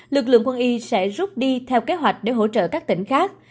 lực lượng quân y sẽ rút đi theo kế hoạch để hỗ trợ các tỉnh khác